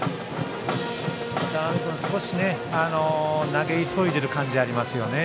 投げ急いでいる感じがありますよね。